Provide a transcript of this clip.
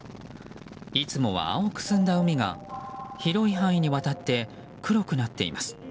いつもは青く澄んだ海が広い範囲にわたって黒くなっています。